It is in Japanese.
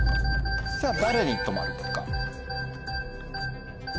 さぁ誰に止まるか？